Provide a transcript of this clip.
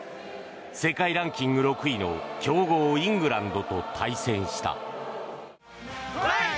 世界ランキング６位の強豪イングランドと対戦した。